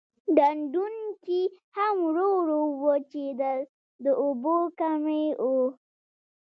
ډنډونکي هم ورو ورو وچېدل د اوبو کمی و.